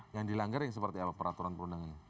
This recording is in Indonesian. yang dilanggar yang seperti apa peraturan perundangannya